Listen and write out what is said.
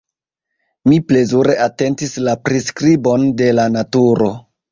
Mi plezure atentis la priskribon de la naturo.